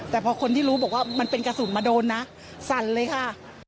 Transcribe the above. แต่พอคนที่รู้บอกว่ามันเป็นกระสุนมาโดนนะสั่นเลยค่ะ